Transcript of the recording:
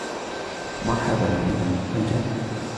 مرحبا الجميع!